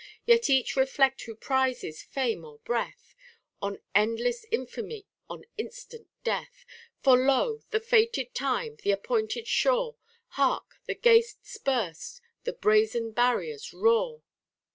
Yet each reflect who prizes fame or breath, On endless infamy, on instant death ; For, lo ! the fated time, the appointed shore ; Hark ! the gates burst, the brazen barriers roar